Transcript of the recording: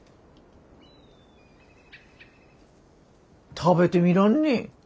食べてみらんね？